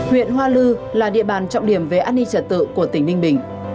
huyện hoa lư là địa bàn trọng điểm về an ninh trật tự của tỉnh ninh bình